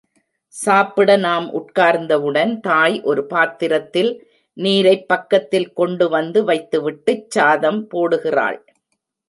சாப்பிட நாம் உட்கார்ந்தவுடன் தாய் ஒரு பாத்திரத்தில் நீரைப் பக்கத்தில் கொண்டுவந்து வைத்துவிட்டுச் சாதம் போடுகிறாள்.